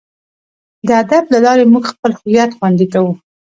د ادب له لارې موږ خپل هویت خوندي کوو.